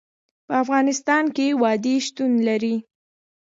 په افغانستان کې وادي شتون لري.